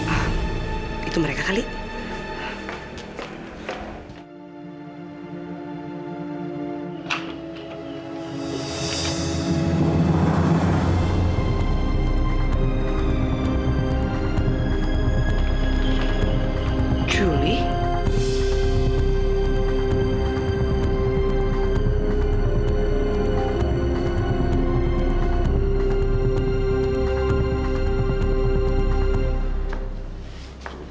aku akan menikah dengan orang yang kau sayang